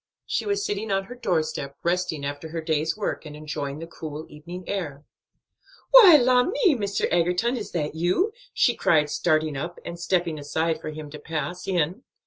She was sitting on her doorstep, resting after her day's work, and enjoying the cool evening air. "Why, la me Mr. Egerton! is that you?" she cried, starting up, and stepping aside for him to pass in.